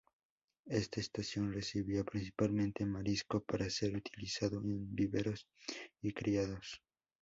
Esta estación recibía, principalmente, marisco, para ser utilizado en viveros y criaderos.